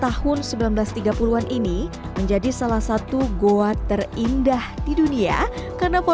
dan kamera perallah menjadi yang paling cukup jelas